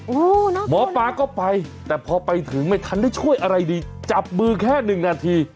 หมอปลาก็ไปแต่พอไปถึงไม่ทันได้ช่วยอะไรดีจับมือแค่หนึ่งนาที